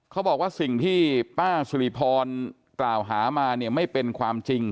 เขาบอกว่าสิ่งที่ป้าสุริพรกล่าวหามาเนี่ยไม่เป็นความจริง